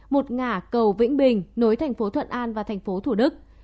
một ngã cầu vĩnh bình nối thành phố thuận an và thành phố thủ đức